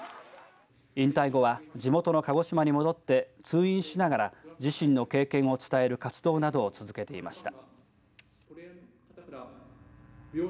引退後は地元の鹿児島に戻って通院しながら自身の経験を伝える活動などを続けていました。